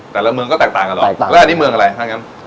แต่ละเมืองก็แตกต่างกันออกแตกต่างแล้วอันนี้เมืองอะไรถ้างั้น